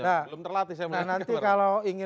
belum terlatih saya melihat kabar langit